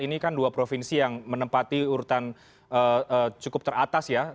ini kan dua provinsi yang menempati urutan cukup teratas ya